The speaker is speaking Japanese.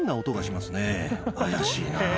怪しいな。